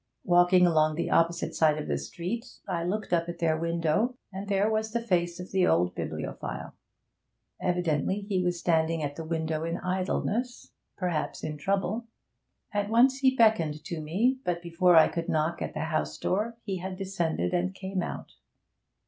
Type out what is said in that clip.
Walking along the opposite side of the street, I looked up at their window, and there was the face of the old bibliophile. Evidently he was standing at the window in idleness, perhaps in trouble. At once he beckoned to me; but before I could knock at the house door he had descended, and came out.